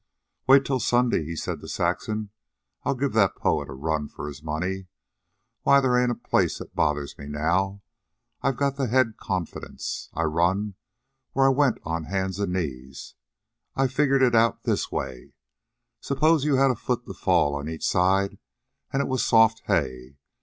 "Wait till Sunday," he said to Saxon. "I'll give that poet a run for his money. Why, they ain't a place that bothers me now. I've got the head confidence. I run where I went on hands an' knees. I figured it out this way: Suppose you had a foot to fall on each side, an' it was soft hay.